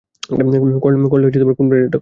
করলে, কোন ব্রান্ডেরটা করেন?